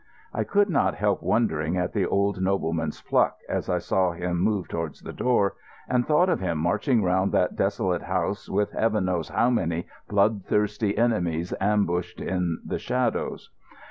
I could not help wondering at the old nobleman's pluck as I saw him move towards the door, and thought of him marching round that desolate house with Heaven knows how many bloodthirsty enemies ambushed in the shadows.